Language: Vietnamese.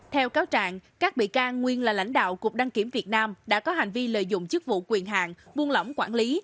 theo cáo trạng các bị can nguyên là lãnh đạo cục đăng kiểm việt nam đã có hành vi lợi dụng chức vụ quyền hạng buôn lỏng quản lý